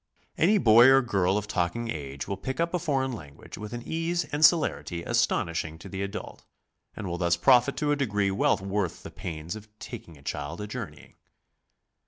Any boy or girl of talking age will pick up a foreign language with an ease and celerity astonishing to the adult, and will thus profit to a degree well worth the pains of taking a child a journeying.